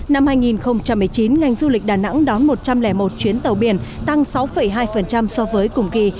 năm hai nghìn một mươi chín ngành du lịch đà nẵng đón một trăm linh một chuyến tàu biển tăng sáu hai so với cùng kỳ